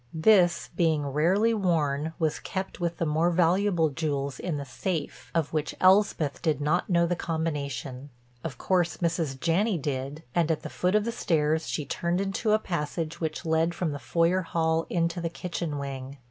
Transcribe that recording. This, being rarely worn, was kept with the more valuable jewels in the safe of which Elspeth did not know the combination. Of course Mrs. Janney did, and at the foot of the stairs she turned into a passage which led from the foyer hall into the kitchen wing.